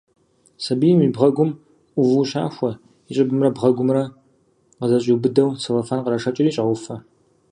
Сабийм и бгъэгум ӏуву щахуэ, и щӏыбымрэ бгъэгумрэ къызэщӏиубыдэу целлофан кърашэкӏри, щӏауфэ.